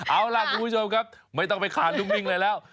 เอาล่ะคุณผู้ชมครับไม่ต้องไปขาดนุ่งนิ่งเลยแล้ว